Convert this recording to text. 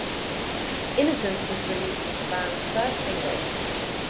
"Innocence" was released as the band's first single.